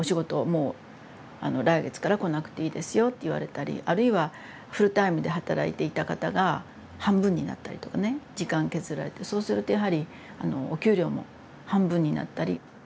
もう来月から来なくていいですよって言われたりあるいはフルタイムで働いていた方が半分になったりとかね時間削られてそうするとやはりお給料も半分になったり。